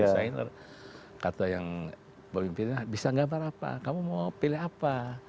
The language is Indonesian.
desainer kata yang pemimpinnya bisa gambar apa kamu mau pilih apa